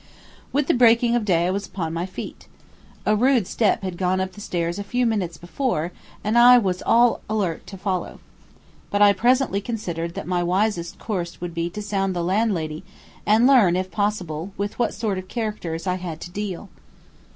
With the breaking of day I was upon my feet. A rude step had gone up the stairs a few minutes before and I was all alert to follow. But I presently considered that my wisest course would be to sound the landlady and learn if possible with what sort of characters I had to deal.